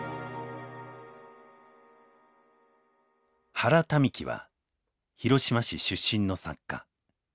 原民喜は広島市出身の作家。